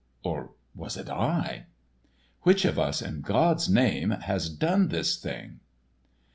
or was it I? Which of us, in God's name, has done this thing?"